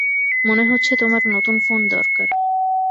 মনে হচ্ছে তোমার নতুন ফোন দরকার।